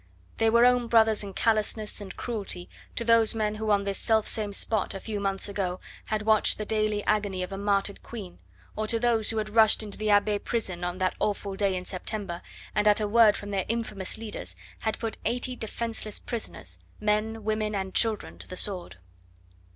They were own brothers in callousness and cruelty to those men who on this self same spot a few months ago had watched the daily agony of a martyred Queen, or to those who had rushed into the Abbaye prison on that awful day in September, and at a word from their infamous leaders had put eighty defenceless prisoners men, women, and children to the sword.